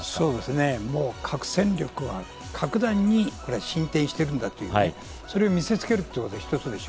核戦力は格段に進展しているんだということを見せ付けるというのが一つでしょ。